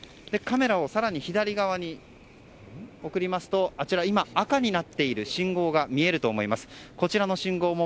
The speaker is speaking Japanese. カメラをさらに左側に送ると赤になっている信号が見えると思います。